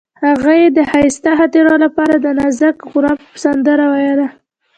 هغې د ښایسته خاطرو لپاره د نازک غروب سندره ویله.